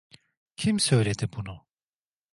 Kim söyledi bunu?